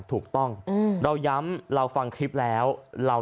คุณผู้ชมไปฟังเสียงพร้อมกัน